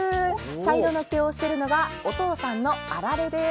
茶色の毛をしているのがお父さんのアラレです。